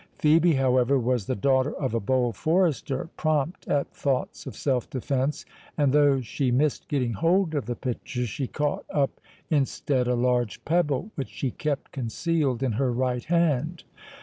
Phœbe, however, was the daughter of a bold forester, prompt at thoughts of self defence; and though she missed getting hold of the pitcher, she caught up instead a large pebble, which she kept concealed in her right hand.